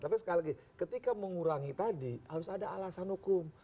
tapi sekali lagi ketika mengurangi tadi harus ada alasan hukum